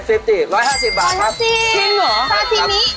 จริงเหรอซาซิมิ๑๕๐บาท